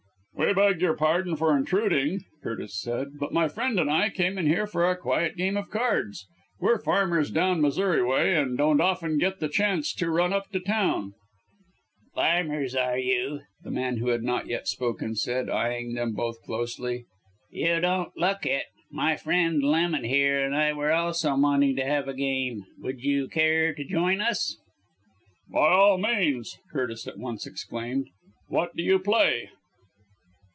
"We beg your pardon for intruding," Curtis said, "but my friend and I came in here for a quiet game of cards. We're farmers down Missouri way, and don't often get the chance to run up to town." "Farmers, are you!" the man who had not yet spoken said, eyeing them both closely. "You don't look it. My friend Lemon, here, and I were also wanting to have a game would you care to join us?" "By all means," Curtis at once exclaimed. "What do you play?"